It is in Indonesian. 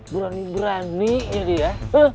berani berani ini ya